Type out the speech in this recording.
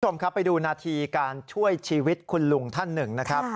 คุณผู้ชมครับไปดูนาทีการช่วยชีวิตคุณลุงท่านหนึ่งนะครับ